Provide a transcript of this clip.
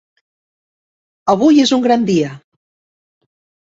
Avui és un gran dia.